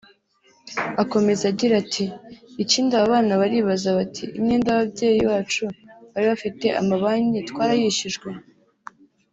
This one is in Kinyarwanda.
Akomeza agira ati “Ikindi aba bana baribaza bati imyenda ababyeyi bacu bari bafitiye amabanki twarayishyujwe